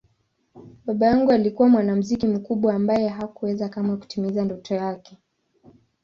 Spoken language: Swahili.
Baba yangu alikuwa mwanamuziki mkubwa ambaye hakuweza kamwe kutimiza ndoto yake.